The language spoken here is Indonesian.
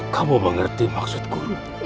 kamu mengerti maksud guru